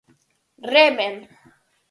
¡Remen!